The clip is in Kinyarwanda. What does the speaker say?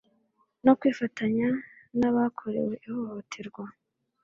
no kwifatanya n abakorewe ihohoterwa